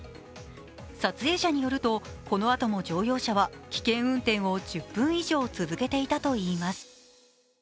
撮影者によると、このあとも乗用車は１０分以上、続けていたといいます。